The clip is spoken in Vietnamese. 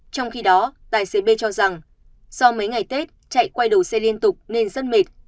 trong khi đó tài xế b cho rằng sau mấy ngày tết chạy quay đầu xe liên tục nên rất mệt